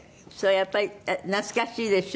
やっぱり懐かしいでしょ？